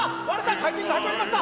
回転が始まりました！